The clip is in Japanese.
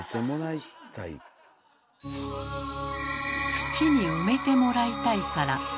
土に埋めてもらいたい。